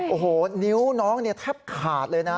โอ้โฮนิ้วน้องแทบขาดเลยนะ